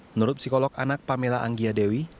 menurut psikolog anak pamela anggia dewi